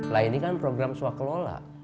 lah ini kan program swakelola